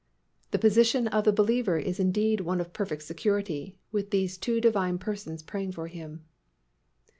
The position of the believer is indeed one of perfect security with these two Divine Persons praying for him.